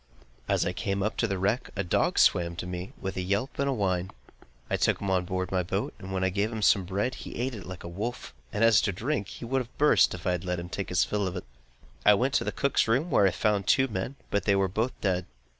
As I came up to the wreck, a dog swam to me with a yelp and a whine. I took him on board my boat, and when I gave him some bread he ate it like a wolf, and as to drink, he would have burst, if I had let him take his fill of it. I went to the cook's room, where I found two men, but they were both dead.